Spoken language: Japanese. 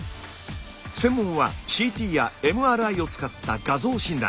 専門はＣＴやＭＲＩを使った画像診断。